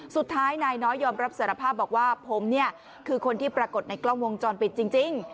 สุดท้ายนายน้อยยอมรับสารภาพบอกว่าผมเนี่ยคือคนที่ปรากฏในกล้องวงจรปิดจริง